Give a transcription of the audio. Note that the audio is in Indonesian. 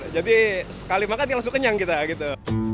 jadi sekali makan langsung kenyang gitu